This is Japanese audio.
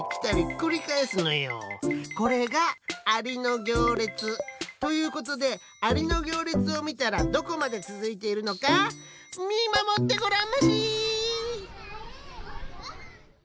これが「アリのぎょうれつ」。ということでアリのぎょうれつをみたらどこまでつづいているのかみまもってごらんまし！